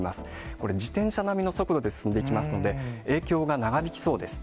これ、自転車並みの速度でいきますので、影響が長引きそうです。